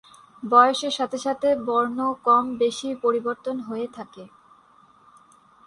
বয়সের সাথে সাথে বর্ণ কম-বেশি পরিবর্তন হয়ে থাকে।